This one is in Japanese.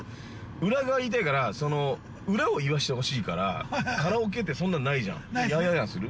裏側を言いたいから裏を言わせてほしいからカラオケってそんなんないじゃん。「ＹＡＨＹＡＨＹＡＨ」する？